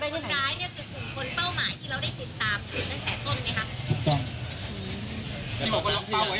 มีหลายอย่าง